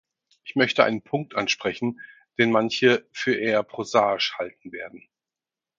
Ich möchte einen Punkt ansprechen, den manche für eher prosaisch halten werden.